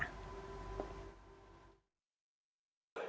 ketawa di dalam